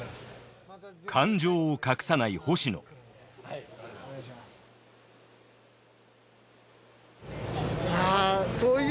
感情を隠さない星野そういう